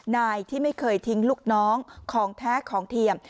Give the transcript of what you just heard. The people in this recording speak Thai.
นายที่ไม่เคยทิ้งลูกน้องของแท้ของเทียม